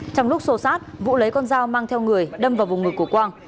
trong lúc xô sát vũ lấy con dao mang theo người đâm vào vùng ngực của quang